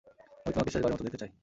আমি তোমাকে শেষ বারের মতো দেখতে চাই।